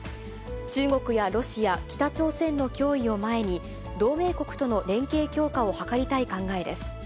中国やロシア、北朝鮮の脅威を前に、同盟国との連携強化を図りたい考えです。